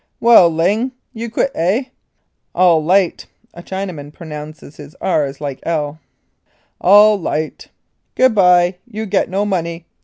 "Well, Ling! You quit, eh ? All light (a Chinaman pronounces his "r's" like "1's"). Good bye. You get no money.